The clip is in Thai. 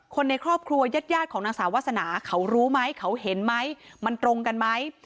คนในครอบครัวยาดของนางสาววาสนาเขารู้ไหมเขาเห็นไหมมันตรงกันไหม